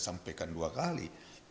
sampaikan dua kali